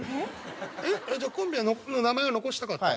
えっ？じゃあコンビの名前は残したかったの？